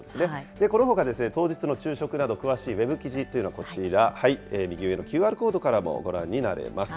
このほか当日の昼食など、詳しいウェブ記事というのがこちら、右上のＱＲコードからもご覧になれます。